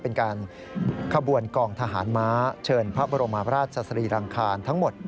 เป็นการขบวนกองทหารม้าเชิญพระบรมราชสรีรังคารทั้งหมด